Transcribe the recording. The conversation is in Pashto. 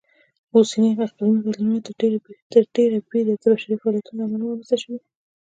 اوسني اقلیمي بدلونونه تر ډېره بریده د بشري فعالیتونو لهامله رامنځته شوي.